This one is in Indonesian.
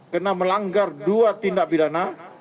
kena melanggar dua tindak bidana